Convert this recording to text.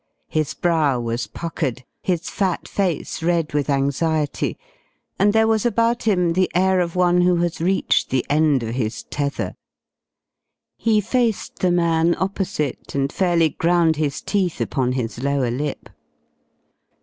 His brow was puckered, his fat face red with anxiety, and there was about him the air of one who has reached the end of his tether. He faced the man opposite, and fairly ground his teeth upon his lower lip.